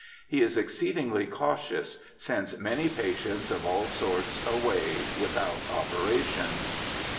He is exceedingly cautious ; sends man}' patients, of all sorts, away without operation.